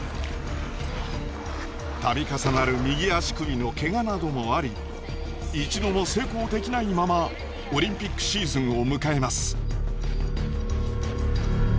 度重なる右足首のけがなどもあり一度も成功できないままオリンピックシーズンを迎えます。